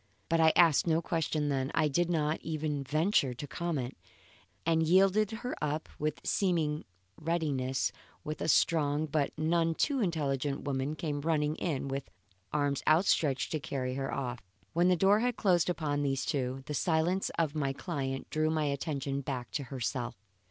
But I asked no questions then; I did not even venture a comment; and yielded her up with seeming readiness when a strong but none too intelligent woman came running in with arms outstretched to carry her off. When the door had closed upon these two, the silence of my client drew my attention back to herself.